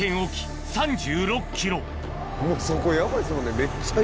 もうそこヤバいっすもんね。